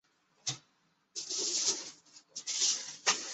联合疗法是指使用了一种以上的药品的疗法。